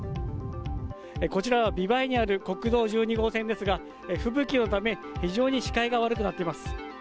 こちらは美唄にある国道１２号線ですが吹雪のため非常に視界が悪くなっています。